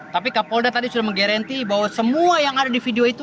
tapi kapolda tadi sudah menggaranti bahwa semua yang ada di video itu